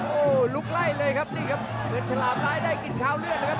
โอ้โหลุกไล่เลยครับนี่ครับเงินฉลามซ้ายได้กินข้าวเลือดนะครับ